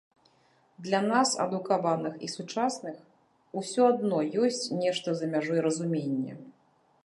Для нас, адукаваных і сучасных, усё адно ёсць нешта за мяжой разумення.